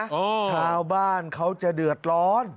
ชาวบ้านเขาจะเดือดร้อน